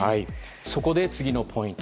そこで、次のポイント。